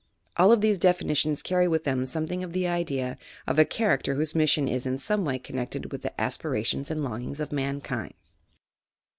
All of these definitions carry with them something of the idea of a character whose mission is in some way connected with the aspirations and longings of mankind.